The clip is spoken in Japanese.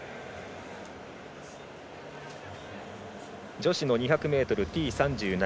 女子の２００ｍＴ３７。